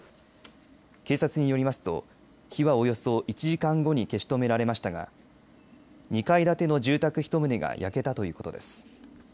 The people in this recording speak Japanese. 警察によりますと火はおよそ１時間後に消し止められましたが２階建ての住宅１棟が焼けたということです。